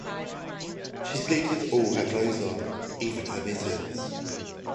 She sleeps with all her clothes on, even her mittens.